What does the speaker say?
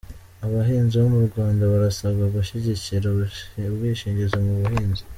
Abahinzi bo mu Rwanda barasabwa gushyigikira ubwishingizi mu buhinzi